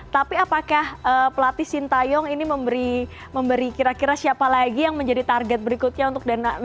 tapi apakah pelatih sintayong ini memberi kira kira siapa lagi yang menjadi target berikutnya untuk dana